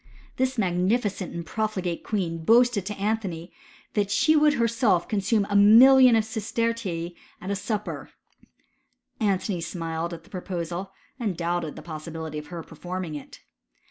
This magnificent and profligate queen boasted to Antony that she would herself consume a million of sistertii at a sup^ per. Antony smiled at the proposal, and doubted the possibility of her performing it.